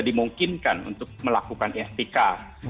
dimungkinkan untuk melakukan itikaf